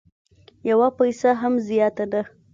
یوه پیسه هم زیاته نه